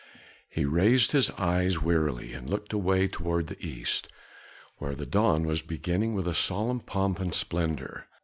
He raised his eyes wearily, and looked away toward the east, where the dawn was beginning with solemn pomp and splendor.